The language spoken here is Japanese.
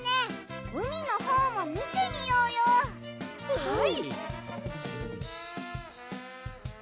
はい！